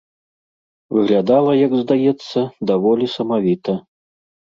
Выглядала, як здаецца, даволі самавіта.